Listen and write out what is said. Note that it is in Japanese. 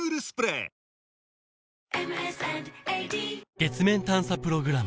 月面探査プログラム